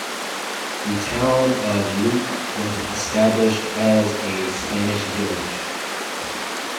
The town of Luque was established as a Spanish village.